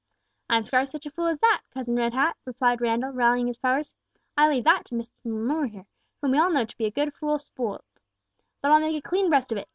"I'm scarce such a fool as that, Cousin Red Hat," replied Randall, rallying his powers. "I leave that to Mr. More here, whom we all know to be a good fool spoilt. But I'll make a clean breast of it.